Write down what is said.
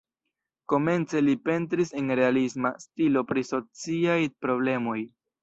Komence li pentris en realisma stilo pri sociaj problemoj.